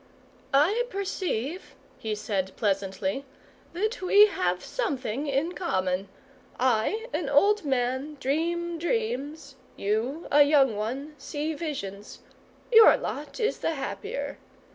"I perceive," he said pleasantly, "that we have something in common. I, an old man, dream dreams; you, a young one, see visions. Your lot is the happier.